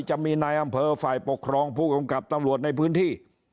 จะมีนายอำเภอฝ่ายปกครองผู้กำกับตำรวจในพื้นที่